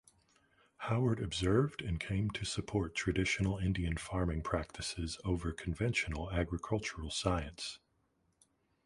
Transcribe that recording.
Howard observed and came to support traditional Indian farming practices over conventional agricultural science.